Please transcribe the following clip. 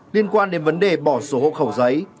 liên quan đến vấn đề bỏ sổ hộ khẩu giấy